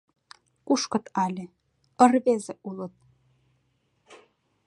Кушкыт але — ырвез улыт!